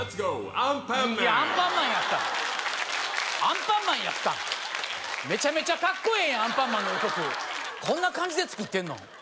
「アンパンマン」いや「アンパンマン」やった「アンパンマン」やったメチャメチャカッコええやん「アンパンマン」の予告こんな感じで作ってんの？